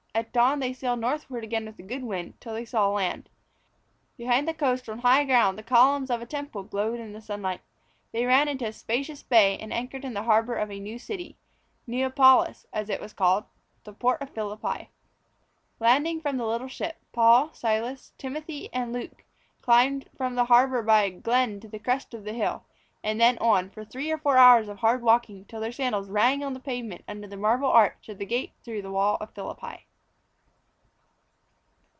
At dawn they sailed northward again with a good wind, till they saw land. Behind the coast on high ground the columns of a temple glowed in the sunlight. They ran into a spacious bay and anchored in the harbour of a new city Neapolis as it was called the port of Philippi. Landing from the little ship, Paul, Silas, Timothy and Luke climbed from the harbour by a glen to the crest of the hill, and then on, for three or four hours of hard walking, till their sandals rang on the pavement under the marble arch of the gate through the wall of Philippi.